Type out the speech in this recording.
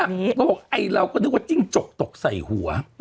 อันนี้ก็บอกไอเราก็นึกว่าจิ้งจกตกใส่หัว